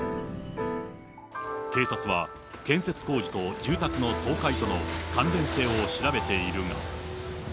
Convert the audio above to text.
警察は、建設工事と住宅の倒壊との関連性を調べているが。